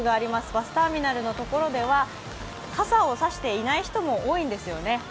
バスターミナルのところでは傘を差していない人も多いんですよね。